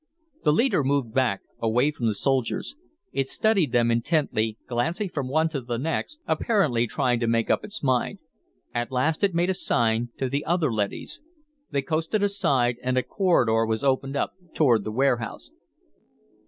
The leader moved back, away from the soldiers. It studied them intently, glancing from one to the next, apparently trying to make up its mind. At last it made a sign to the other leadys. They coasted aside and a corridor was opened up toward the warehouse.